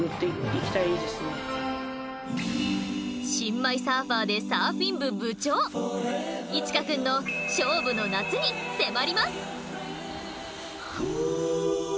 新米サーファーでサーフィン部部長一奏くんの勝負の夏に迫ります。